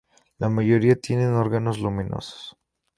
La mayoría tienen órganos luminosos.